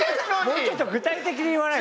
もうちょっと具体的に言わないと。